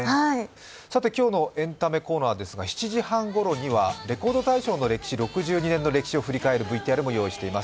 今日のエンタメコーナーですが、７時半ごろには「レコード大賞」の６２年の歴史を振り返るＶＴＲも用意しています。